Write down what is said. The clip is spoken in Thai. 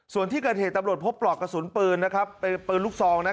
ส่วนที่เกิดเหตุตำรวจพบปลอกกระสุนปืนนะครับเป็นปืนลูกซองนะ